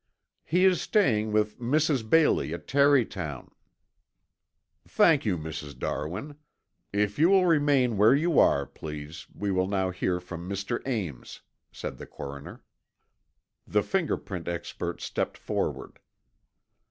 "He is staying with Mrs. Bailey at Tarrytown." "Thank you, Mrs. Darwin. If you will remain where you are, please, we will now hear from Mr. Ames," said the coroner. The finger print expert stepped forward.